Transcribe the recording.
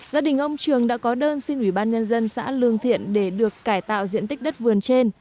gia đình ông trường đã có đơn xin ủy ban nhân dân xã lương thiện để được cải tạo diện tích đất vườn trên